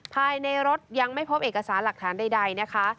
ภายในรถยังไม่พบเอกสารหลักฐานใดนะคะ